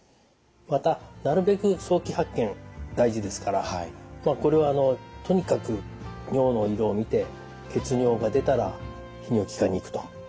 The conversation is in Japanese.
またなるべく早期発見大事ですからこれはとにかく尿の色を見て血尿が出たら泌尿器科に行くと。